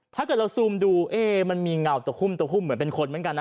ถ้าเกิดเราซูมดูมันมีเหมือนเป็นคนเหมือนกันนะ